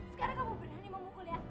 sekarang kamu berani mau mukul ya